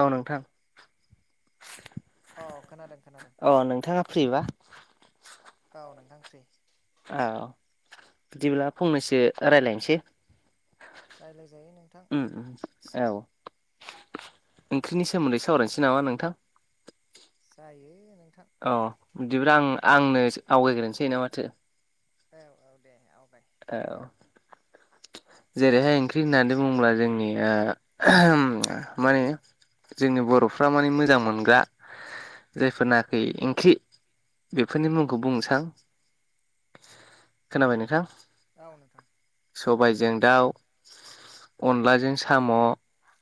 औ नोंथां। अ खोनादों खोनादों अ नोंथाङा फ्रिबा औ नोंथां फ्रि। औ बिदिब्ला फंनैसो रायलायनोसै। रायज्लायजायो नोंथां उम औ ओंख्रिनि सोमोन्दै सावरायनोसै नामा नोंथां? जायो। नोंथां अ बिदिब्ला आं आंनो आवगायग्रोनोसै ना माथो? औ औ दे आवगाय। औ। जेरैहाय ओंख्रि होननानै बुङोब्ला ओ जोंनिया माने- जोंनि बरफ्रा माने मोजां मोनग्रा जायफोरनाखि ओंख्रि बेफोरनि मुंखौ बुंसां - खोनाबाय नोंथां? औ नोंथां। सबायजों दाउ अनलाजों साम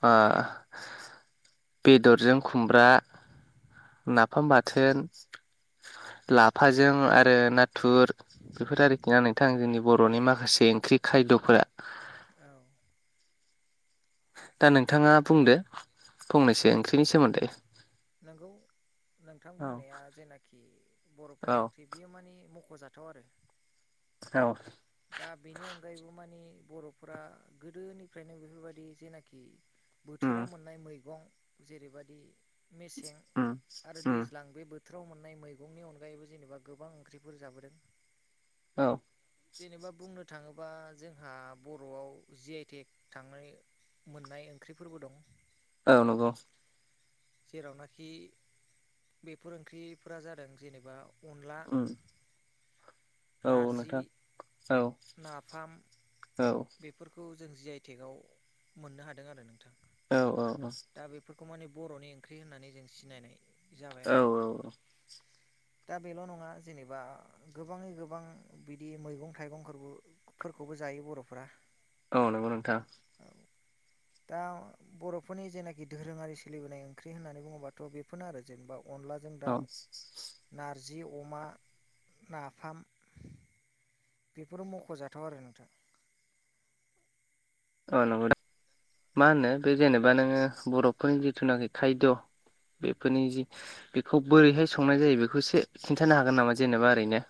आ- बेदरजों खुमब्रा नाफाम बाथोन- लाफाजों आरो नाथुर बेफोर आरोखि ना नोंथां जोंनि बरनि माखासे ओंख्रि खायदफोरा। औ। दा नोंथाङा बुंदो फंनैसो ओंख्रिनि सोमोन्दै नोंगौ नोंथां औ बुंनाया जेनाखि बरफोरनि औ ओंख्रि बेयो माने मखजाथाव आरो। औ। दा बेनि अनगायैबो मानि बर'फोरा गोदोनिफ्रायनो बेफोरबादि जेनाखि उम बोथोराव मोननाय मैगं जेरैबादि मेसें उम आरो उम दैज्लां बे बो बोथोराव मोननाय मैगंनि अनगायैबो जेनेबा गोबां ओंख्रिफोर जाबोदों। औ। जेनेबा बुंनो थाङोबा जोंहा बर'आव जि आइ टेक थांनाय मोननाय ओंख्रिफोरबो दं। औ नंगौ। जेरावनाखि बेफोर ओंख्रिफोरा जादों जेनेबा अनला उम औ नारजि नोंथां औ। नाफाम औ बेफोरखौ जों जि आइ टेकाव मोननो हादों आरो नोंथां। औ औ औ। बेखौ माने बर'नि ओंख्रि होननानै जों सिनायनाय। जाबाय आरो औ औ औ। दा बेल' नङा जेनेबा गोबाङै गोबां बिदि मैगं थाइगंबो फोरखौबो जायो बर'फ्रा। औ नंगौ नोंथां दा बर' फोरनि जेनाखि दोरोङारि सोलिबोनाय ओंख्रि होननानै बुङोबाथ' बेफोरनो आरो जेनेबा अनलाजों औ दाउ, नार जि अमा, नाफाम बेफोरो मख'जाथाव आरो नोंथां। औ नंगौ। मा होनो बे जेनेबा नोङो बर'फोरनि जिथुनाखि खायद' बेफोरनि जि बेखौ बोरैहाय संनाय जायो? बेखौ एसे खिन्थानो हागोन नामा? जेनेबा ओरैनो।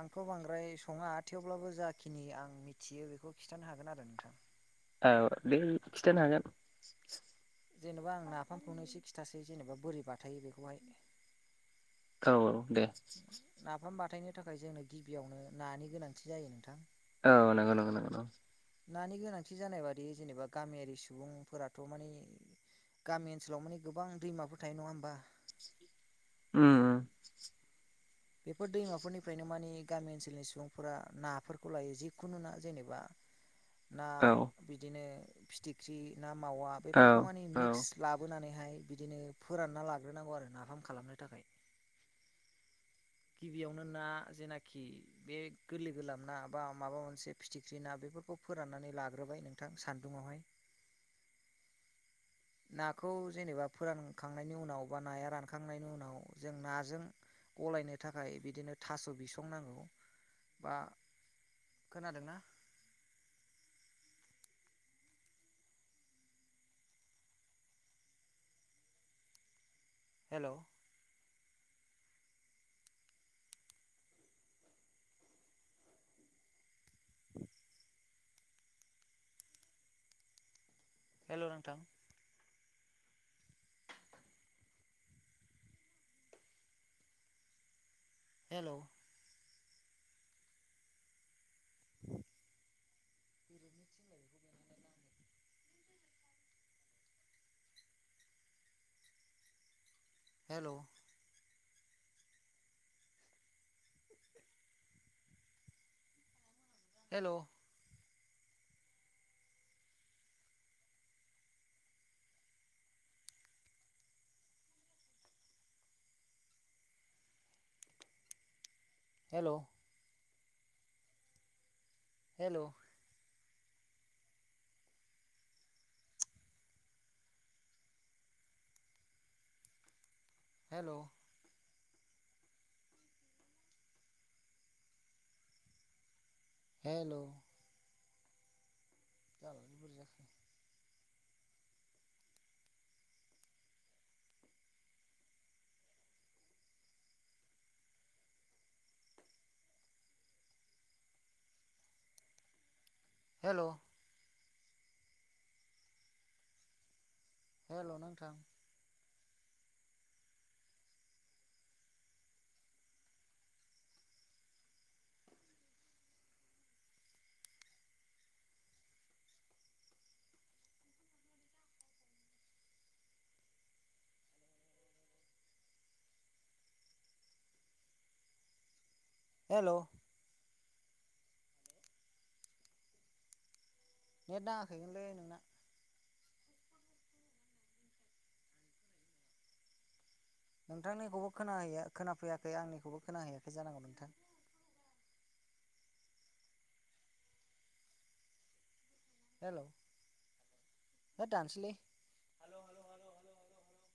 आंथ' बांद्राय सङा थेवब्लाबो जाखिनि आं मिथियो बेखौ खिन्थानो हागोन आरो नोंथां। औ दे खिथानो हागोन। जेन'बा आं नाफामखौनो एसे खिथासै जेनेबा बोरै बाथायो बेखौहाय। औ औ दे। हथायनो थाखाय जोंनो गिबियावनो नानि गोनांथि जायो नोंथां। औ नंगौ नंगौ नंगौ। नानि गोनांथि जानाय बादि जेनेबा गामियारि सुबुंफोराथ' माने गामि ओनसोलाव माने गोबां दैमाफोर थायो नङा होमबा? ओम। बेफोर दैमाफोरनिफ्रायनो माने गामि ओनसोलनि सुबुंफोरा नाफोरखौ लायो जिखुनु ना जेनेबा ना औ बिदिनो फिथिख्रि, ना मावा बेफोरखौ माने औ औ मिक्स लाबोनानैहाय बिदिनो फोरानना लाग्रोनांगौ आरो नाफाम खालामनो थाखाय। गिबियावनो ना जेनाखि बे गोरलै गोरलाम ना बा माबा मोनसे फिथिख्रि ना बे बेफोरखौ फोराननानै लाग्रोबाय नोंथां सान्दुंआवहाय। नाखौ जेनेबा फोरानखांनायनि उनाव बा नाया रानखांनायनि उनाव जों नाजों गलायनो थाखाय बिदिनो थास' बिसं नांगौ बा खोनादों ना? हेल'? [unintelligible] हेल' नोंथां? हेल'? [inaudible] Hello hello hello hello hello hello जाबाय बुरजा हेलौ हेलौ नोंथां। हेलौ नेट नाङाखैगोनलै नोंना। नोंथांनिखौबो खोनाहैया खोनाफैयाखै आंनिखौबो खोनाहैयाखै जानांगौ नोंथां। हेलौ हो दान्सलि [unintelligible]